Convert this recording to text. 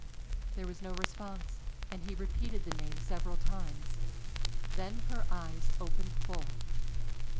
There was no response and he repeated the name several times. Then her eyes opened full.